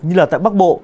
như là tại bắc bộ